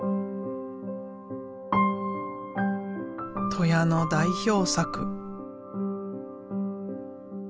戸谷の代表作。